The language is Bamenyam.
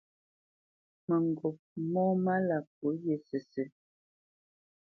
Mǝŋgop mó málá pwǒ wyê sǝ́sǝ̂.